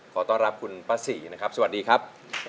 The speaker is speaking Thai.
ขอต้อนรับคุณป้าศรีนะครับสวัสดีครับ